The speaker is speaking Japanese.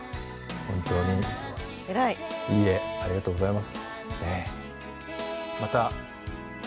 本当にいいえありがとうございます